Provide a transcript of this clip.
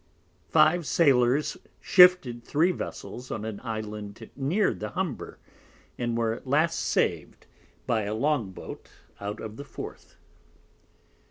Five Sailors shifted three Vessels on an Island near the Humber and were at last sav'd by a Long boat out of the fourth.